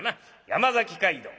山崎街道